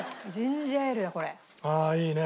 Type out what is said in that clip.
ああいいね！